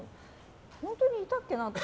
本当にいたっけなって。